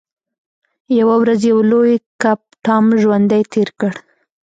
یوه ورځ یو لوی کب ټام ژوندی تیر کړ.